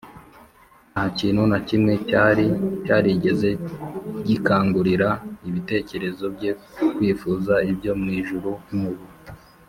. Nta kintu na kimwe cyari cyarigeze gikangurira ibitekerezo bye kwifuza ibyo mw’ijuru nkubu